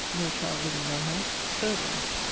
No child living by her. <_Third wife.